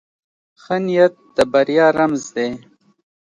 ښه نیت د بریا رمز دی.